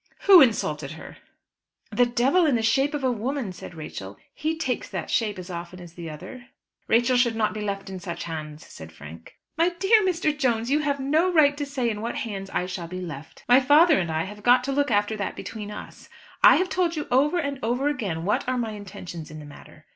"Who insulted her?" "The devil in the shape of a woman," said Rachel. "He takes that shape as often as the other." "Rachel should not be left in such hands," said Frank. "My dear Mr. Jones, you have no right to say in what hands I shall be left. My father and I have got to look after that between us. I have told you over and over again what are my intentions in the matter.